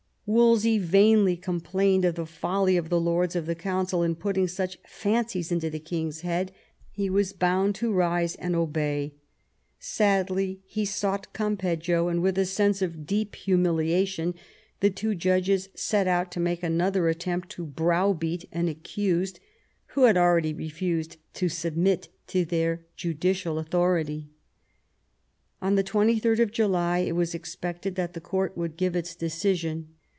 Wolsey vainly complained of the folly of the lords of the Council in putting such fancies into the king's head : he was bound to rise and obey. Sadly he sought Gampeggio, and with a sense of deep humiliation the two judges set out to make another attempt to browbeat an accused who had already refused to submit to their judicial authority. On 23d July it was expected that the court would give its decision.